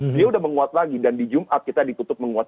dia sudah menguat lagi dan di jumat kita ditutup menguat